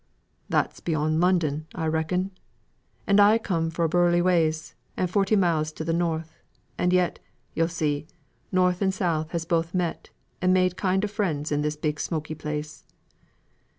"That's beyond London, I reckon? And I come fro' Burnleyways, and forty miles to th' North. And yet, yo see, North and South has both met and made kind o' friends in this big smoky place."